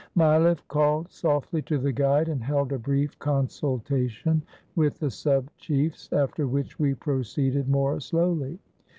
Mileff called softly to the guide and held a brief con sultation with the sub chiefs, after which we proceeded more slowly.